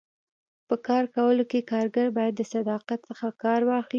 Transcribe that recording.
په کار کولو کي کاریګر باید د صداقت څخه کار واخلي.